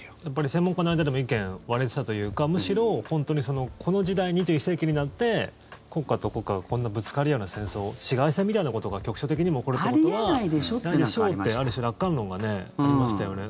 専門家の間でも意見が割れてたというかむしろ、本当にこの時代に２１世紀になって国家と国家がこんなぶつかり合うような戦争市街戦みたいなことが局所的にも起こるということはないでしょうってある種、楽観論がありましたね。